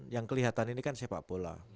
yang kelihatan ini kan sepak bola